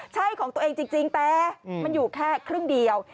ใช่ของตัวเองจริงแต่มันอยู่แค่ครึ่งเดียว